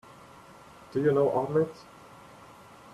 Do you know Ahmed?